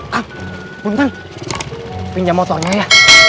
kang pun kan pinjam motornya ya